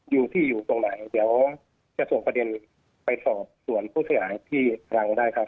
อยู่ที่อยู่ตรงไหนเดี๋ยวจะส่งประเด็นไปสอบส่วนผู้เสียหายที่รังได้ครับ